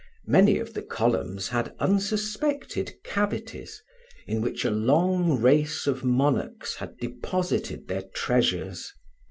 Many of the columns had unsuspected cavities, in which a long race of monarchs had deposited their treasures.